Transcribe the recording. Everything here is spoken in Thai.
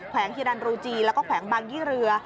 วงฮิรันรูจีแล้วก็แขวงบางยี่เรือ